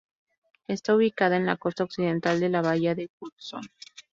Está ubicada en la costa occidental de la bahía de Hudson.